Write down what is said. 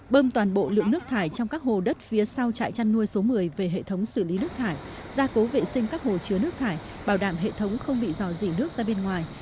bơm toàn bộ lượng nước thải trong các hồ đất phía sau trại chăn nuôi số một mươi về hệ thống xử lý nước thải gia cố vệ sinh các hồ chứa nước thải bảo đảm hệ thống không bị dò dỉ nước ra bên ngoài